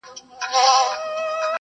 برابر چلند د شخړو کچه راکموي.